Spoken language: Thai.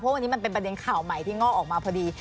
วันนี้มันเป็นประเด็นข่าวใหม่ที่งอกออกมาพอดี